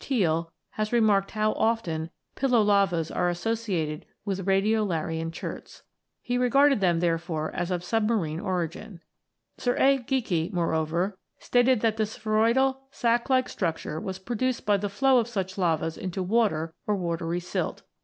Teall has remarked how often " pillow lavas " are associated with radio larian cherts. He regarded them, therefore, as of submarine origin. Sir A. Geikie(65), moreover, stated that the spheroidal sack like structure was produced by the flow of such lavas into water or watery silt.